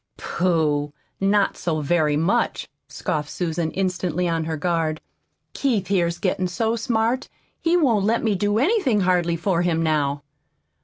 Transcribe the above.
"Pooh! Not so very much!" scoffed Susan, instantly on her guard. "Keith here's gettin' so smart he won't let me do anything hardly for him now."